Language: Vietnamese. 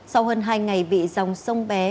sau hơn hai ngày bị dòng sông bé